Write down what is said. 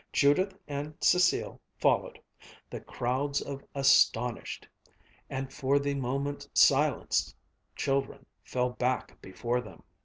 Judith and Cécile followed. The crowds of astonished, and for the moment silenced, children fell back before them.